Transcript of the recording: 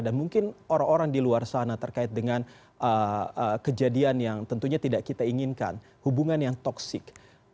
dan mungkin orang orang di luar sana terkait dengan kejadian yang tentunya tidak kita inginkan hubungan yang toksik